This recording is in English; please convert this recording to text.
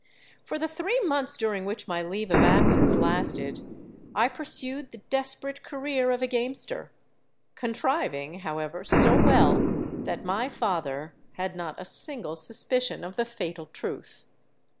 "For the three months during which my leave of absence lasted, I pursued the desperate career of a gamester, contriving, however, so well, that my father had not a single suspicion of the fatal truth.